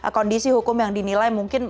kondisi hukum yang dinilai mungkin